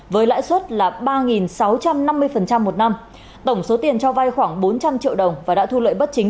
với lãi suất là ba sáu trăm năm mươi một năm tổng số tiền cho vai khoảng bốn trăm linh triệu đồng và đã thu lợi bất chính